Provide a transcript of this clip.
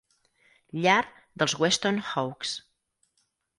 Llar dels Weston Hawks.